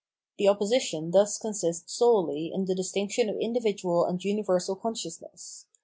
The opposition thus consists solely in the distinction of individual and universal consciousness.